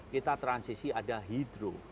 kita transisi ada hidro